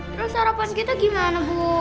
terus harapan kita gimana bu